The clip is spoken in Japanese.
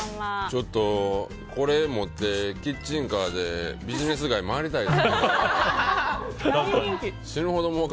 ちょっとこれ持ってキッチンカーでビジネス街回りたいわ。